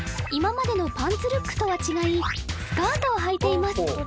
今までのパンツルックとは違いスカートをはいています